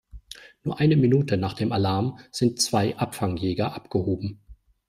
Nur eine Minute nach dem Alarm sind zwei Abfangjäger abgehoben.